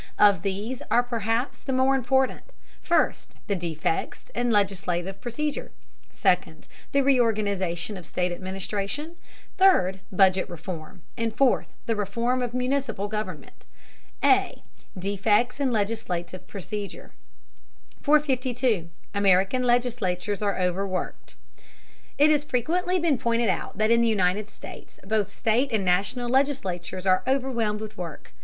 Of these the following are perhaps the more important: First, the defects in legislative procedure; second, the reorganization of state administration; third, budget reform; and fourth, the reform of municipal government. A. DEFECTS IN LEGISLATIVE PROCEDURE 452. AMERICAN LEGISLATURES ARE OVERWORKED. It has frequently been pointed out that in the United States both state and National legislatures are overwhelmed with work.